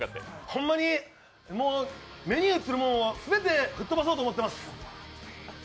ほんまに、もう目に映るもんは全て吹っ飛ばそうと思います！